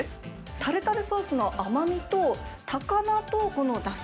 タルタルソースの甘みと、高菜とこのだし